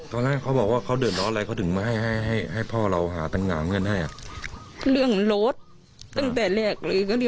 ใช่หนัก